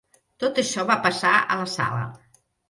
Tot això va passar a la sala.